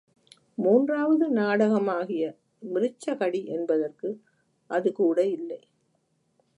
மூன்றாவது நாடகமாகிய, மிருச்ச கடி என்பதற்கு அதுகூட இல்லை.